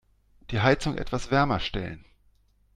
Die Heizung etwas wärmer stellen.